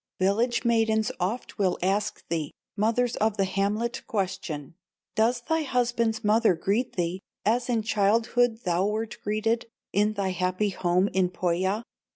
"Village maidens oft will ask thee, Mothers of the hamlet question: 'Does thy husband's mother greet thee As in childhood thou wert greeted, In thy happy home in Pohya?